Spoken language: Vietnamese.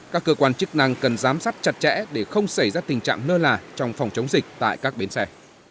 các cơ quan chức năng cần giám sát chặt chẽ để không xảy ra tình trạng nơ là trong phòng chống dịch tại các bến xe